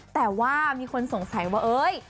แต่ว่ามีคนสงสัยว่าเอ้ย